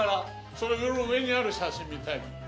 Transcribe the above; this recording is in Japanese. その上にある写真みたいな。